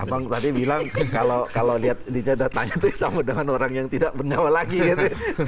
abang tadi bilang kalau lihat dia datang itu sama dengan orang yang tidak bernyawa lagi gitu